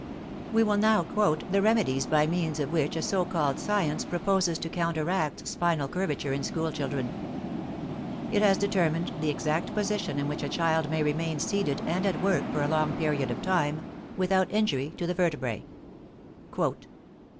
We will now quote the remedies by means of which a so called science proposes to counteract spinal curvature in school children. It has determined the exact position in which a child may remain seated and at work for a long period of time without injury to the vertebrae.